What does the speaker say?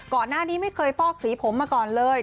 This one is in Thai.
ก่อนหน้านี้ไม่เคยฟอกสีผมมาก่อนเลย